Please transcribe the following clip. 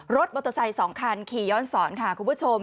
รถมอเตอร์ไซค์๒คันขี่ย้อนสอนค่ะคุณผู้ชม